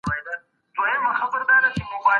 د فاضله ښار ځانګړتیاوې څه دي؟